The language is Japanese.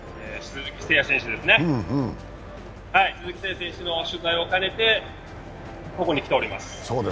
鈴木誠也選手の取材を兼ねてここへ来ております。